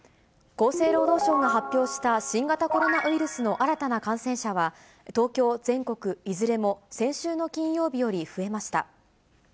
厚生労働省が発表した新型コロナウイルスの新たな感染者は、東京、全国、いずれも先週の金曜日より増えました。